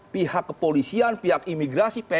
pihak kepolisian pihak imigrasi